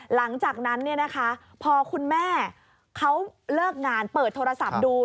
หลังจากนั้นพอคุณแม่เขาเลิกงานเปิดโทรศัพท์ดู